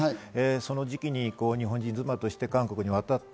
その時期に日本人妻として韓国に渡った。